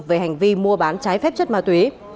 về hành vi mua bán trái phép chất ma túy